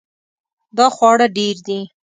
دا خواړه ډیر دي